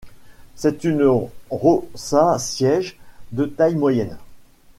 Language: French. C'est une roça-siège de taille moyenne.